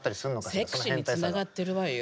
セクシーにつながってるわよ。